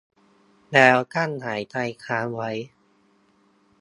แล้วกลั้นหายใจค้างไว้